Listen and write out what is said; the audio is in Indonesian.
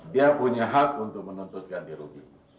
dia punya hak untuk menuntut ganti rugi